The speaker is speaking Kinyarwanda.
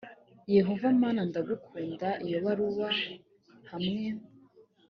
yehova mana ndagukunda iyo baruwa hamwe